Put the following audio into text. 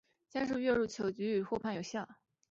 先是越位入球竟屡屡获判有效。